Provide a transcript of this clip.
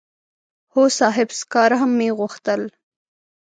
هو صاحب سکاره مې غوښتل.